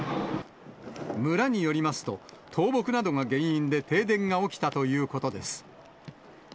村によりますと、倒木などが原因で停電が起きたということです。